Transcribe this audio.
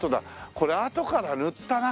これあとから塗ったな！